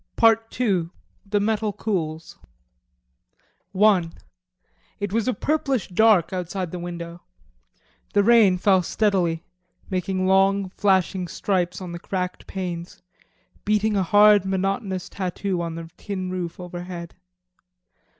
PART TWO: THE METAL COOLS I It was purplish dusk outside the window. The rain fell steadily making long flashing stripes on the cracked panes, beating a hard monotonous tattoo on the tin roof overhead.